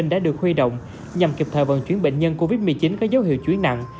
đã được huy động nhằm kịp thời vận chuyển bệnh nhân covid một mươi chín có dấu hiệu chuyển nặng